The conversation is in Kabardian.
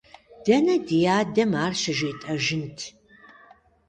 Дэнэ ди адэм ар щыжетӀэжынт!